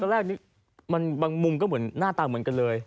แรกนี้บางมุมก็เหมือนหน้าตาเหมือนกันเลย